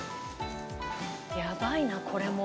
「やばいなこれも。